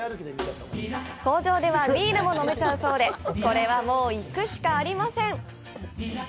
工場ではビールも飲めちゃうそうでこれはもう行くしかありません！